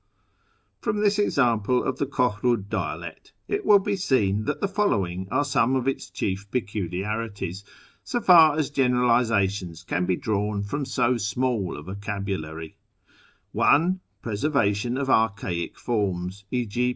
From this sample of the Kohmd dialect it will be seen that the following are some of its chief peculiarities, so far as generalisations can be drawn from so small a vocabulary :— (1) Preservation of archaic forms ; e.g.